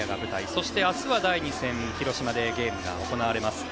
そして明日は第２戦広島でゲームが行われます。